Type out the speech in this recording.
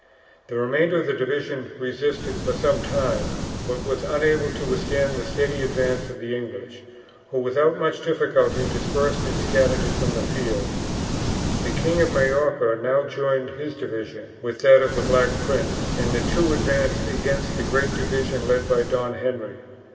The remainder of the division resisted for some time, but was unable to withstand the steady advance of the English, who without much difficulty dispersed and scattered it from the field. The King of Majorca now joined his division with that of the Black Prince, and the two advanced against the great division led by Don Henry.